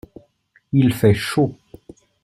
Il fait chaud.